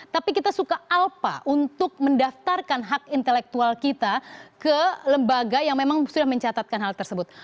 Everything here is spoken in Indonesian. tapi kita suka alpa untuk mendaftarkan hak intelektual kita ke lembaga yang memang sudah mencatatkan hal tersebut